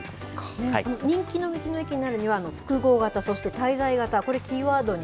人気の道の駅になるには、複合型、そして滞在型、これキーワ